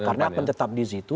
karena akan tetap di situ